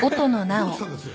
どうしたんです？